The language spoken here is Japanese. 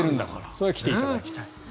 そこは来ていただきたい。